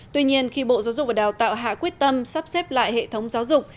tuy nhiên khi bộ giáo dục và đào tạo hạ quyết tâm sắp xếp lại hệ thống giáo dục